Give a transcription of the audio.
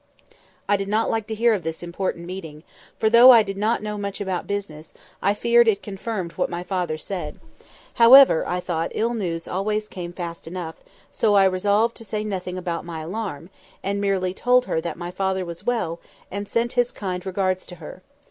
I did not like to hear of this "important meeting," for, though I did not know much about business, I feared it confirmed what my father said: however, I thought, ill news always came fast enough, so I resolved to say nothing about my alarm, and merely told her that my father was well, and sent his kind regards to her.